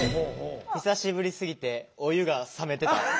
久しぶりすぎてお湯が冷めてた。